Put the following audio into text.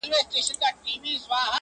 • یو پراخ او ښکلی چمن دی -